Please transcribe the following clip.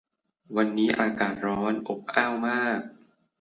วันนี้อากาศร้อนอบอ้าวมาก